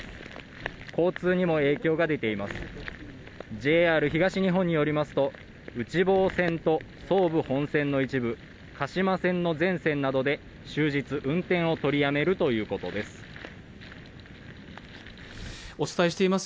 ＪＲ東日本によりますと、内房線と総武本線の一部鹿島線の全線などで終日、運転を取りやめるということです。